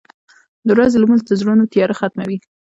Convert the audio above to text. • د ورځې لمونځ د زړونو تیاره ختموي.